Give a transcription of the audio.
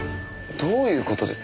どういう事です？